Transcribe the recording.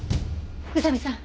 宇佐見さん